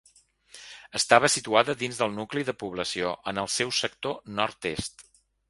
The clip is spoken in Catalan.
Estava situada dins del nucli de població, en el seu sector nord-est.